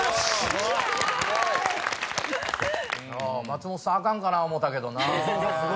松本さんあかんかな思うたけどなぁ。